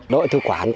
đội thư quản